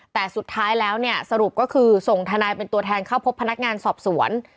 แต่สุดท้ายแล้วเนี่ยสรุปก็คือส่งทนายเป็นตัวแทนเข้าพบพนักงานสอบสวน